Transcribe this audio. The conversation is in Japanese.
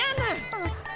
あっ。